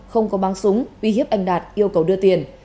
không có băng súng uy hiếp anh đạt yêu cầu đưa tiền